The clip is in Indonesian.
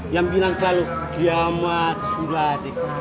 yang bilang selalu diamat surat